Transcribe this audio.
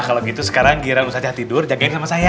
kalau gitu sekarang gira usah tidur jagain sama saya